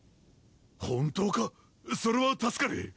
本当か⁉それは助かる！